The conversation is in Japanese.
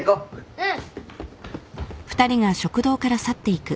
うん。